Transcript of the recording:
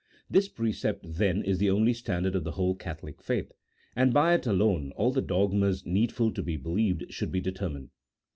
This precept, then, is the only standard of the whole Catholic faith, and by it alone all the dogmas needful to be believed should be determined.